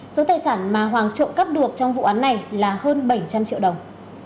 số tài sản mà hoàng trộm cắp được trong vụ án này là hơn bảy trăm linh triệu đồng